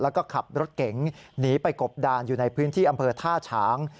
แล้วก็ขับรถเก๋งหนีไปกบดานอยู่ในพื้นที่อำเภอท่าฉาง